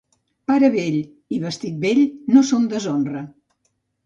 Pare vell i vestit vell no són deshonra.